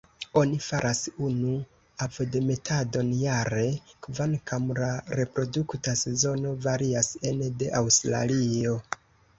Oni faras unu ovodemetadon jare, kvankam la reprodukta sezono varias ene de Aŭstralio.